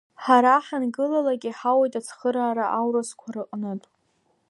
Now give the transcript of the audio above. Ҳара ҳангылалак, иҳауеит ацхыраара аурысқәа рыҟнытә.